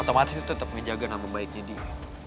otomatis tetep ngejaga nama baiknya dia